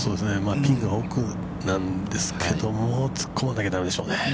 ピンが奥なんですけども、突っ込まなきゃだめですね。